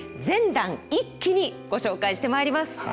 全段一気にご紹介してまいります。